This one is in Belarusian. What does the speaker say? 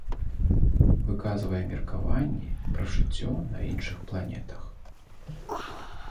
Выказвае меркаванні пра жыццё на іншых планетах.